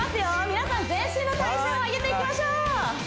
皆さん全身の代謝を上げていきましょう！